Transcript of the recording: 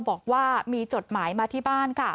บอกว่ามีจดหมายมาที่บ้านค่ะ